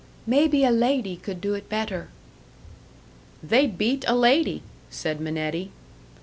"Maybe a lady could do it better." "They'd beat a lady," said Minetti.